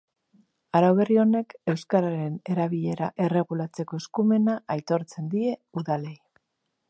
Arau berri honek euskararen erabilera erregulatzeko eskumena aitortzen die udalei.